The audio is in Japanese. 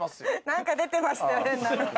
「なんか出てましたよ変なの」。